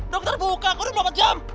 dokter buka kau udah mau empat jam